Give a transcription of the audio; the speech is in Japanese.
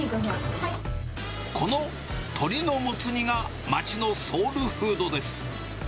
この鶏のモツ煮が町のソウルフードです。